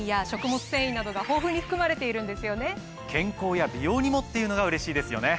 健康や美容にもっていうのがうれしいですよね。